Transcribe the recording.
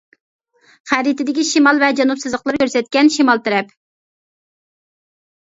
خەرىتىدىكى شىمال ۋە جەنۇب سىزىقلىرى كۆرسەتكەن شىمال تەرەپ.